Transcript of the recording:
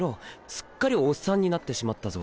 すっかりおっさんになってしまったぞ。